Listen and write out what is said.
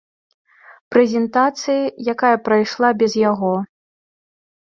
Прэзентацыі, якая прайшла без яго.